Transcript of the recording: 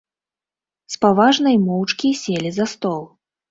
Спаважна й моўчкі селі за стол.